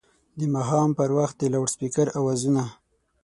د ماښام پر وخت د لوډسپیکر اوازونه